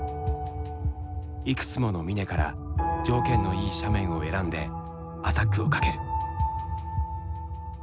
いくつもの峰から条件のいい斜面を選んでアタックをかける。